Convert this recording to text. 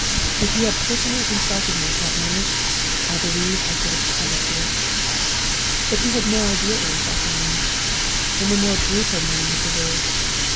If he had personally insulted me at that moment, I believe I should have submitted to it. "But he had no idea of insulting me, in the more brutal meaning of the word.